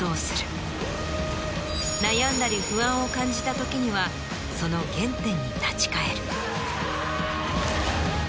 悩んだり不安を感じた時にはその原点に立ち返る。